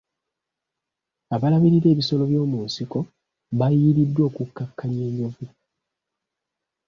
Abalabirira ebisolo by'omunsiko baayiriddwa okukkakkanya enjovu.